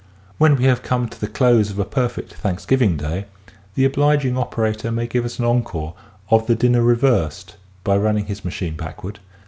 When we have come to the close of a perfect Thanksgiving Day the obliging operator may give us an encore of the dinner reversed by run ning his machine backward.